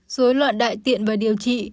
dối loạn đại tiện và điều trị